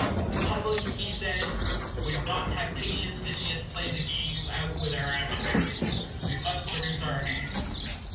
The public, he said, would not have patience to see us play the game out with our adversaries; we must produce our hand.